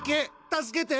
助けて！